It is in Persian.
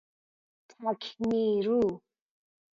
تک نیرو